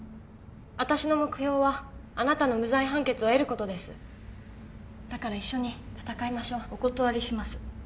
私の目標はあなたの無罪判決を得ることですだから一緒に戦いましょうお断りします